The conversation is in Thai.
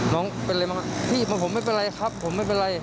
น้องเป็นอะไรบ้างครับพี่ผมไม่เป็นไรครับผมไม่เป็นไร